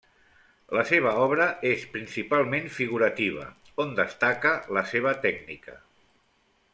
La seva obra és principalment figurativa, on destaca la seva tècnica.